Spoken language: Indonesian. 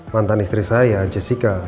mantan istri saya jessica